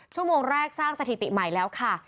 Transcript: ชั่วโมงแรกสร้างสถิติใหม่แล้วค่ะ